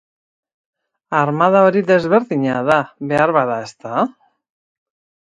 Armada hori desberdina da, beharbada, ezta?